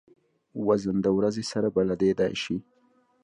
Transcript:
وزن د ورځې سره بدلېدای شي.